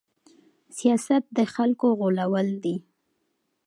سياست د خلکو غولول دي.